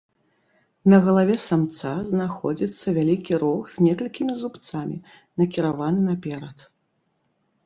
На галаве самца знаходзіцца вялікі рог з некалькімі зубцамі, накіраваны наперад.